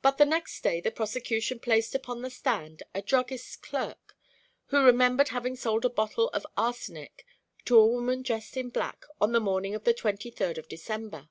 But the next day the prosecution placed upon the stand a druggist's clerk, who remembered having sold a bottle of arsenic to a woman dressed in black on the morning of the twenty third of December.